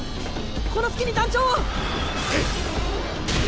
この隙に団長を！